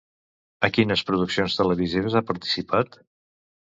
A quines produccions televisives ha participat?